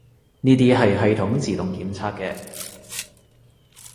呢啲係系統自動檢測嘅